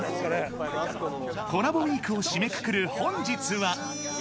コラボウイークを締めくくる本日は。